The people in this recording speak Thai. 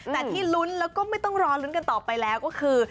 แต่ที่ลุ้นแล้วก็ไม่ต้องรอลุ้นกันต่อไปแล้วก็คือ